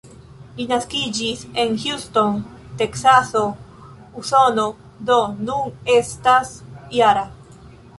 Li naskiĝis en Houston, Teksaso, Usono, do nun estas -jara.